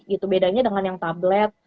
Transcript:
itu bedanya dengan yang tablet